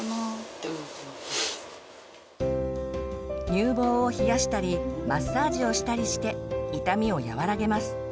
乳房を冷やしたりマッサージをしたりして痛みを和らげます。